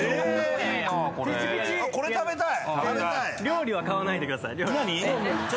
これ食べたい！